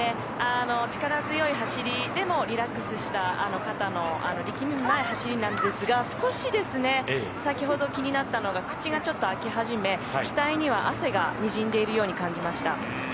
力強い走りでもリラックスした肩の力みのない走りなんですが少し先ほど気になったのが口がちょっとあきはじめ額には汗がにじんでいるように感じました。